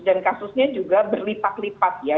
dan kasusnya juga berlipat lipat ya